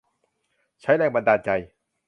ใช้แรงบันดาลใจ